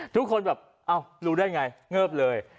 ทุกคนแบบเอ้ารู้ได้ไงเงิบเลย